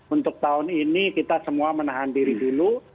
untuk tahun ini kita semua menahan diri dulu